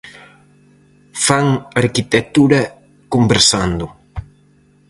Fan arquitectura conversando.